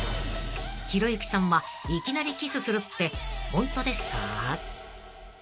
［ひろゆきさんはいきなりキスするってホントですか？］